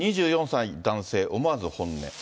２４歳男性、思わず本音。